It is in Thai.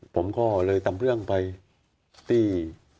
ผมก็เลยทำเรื่องไปที่